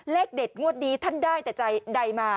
เลขเด็ดงวดนี้ท่านได้แต่ใจใดมา